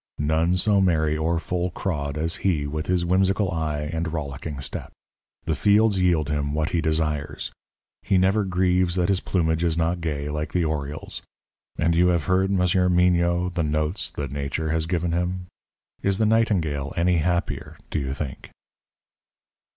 None so merry or full crawed as he with his whimsical eye and rollicking step. The fields yield him what he desires. He never grieves that his plumage is not gay, like the oriole's. And you have heard, Monsieur Mignot, the notes that nature has given him? Is the nightingale any happier, do you think?"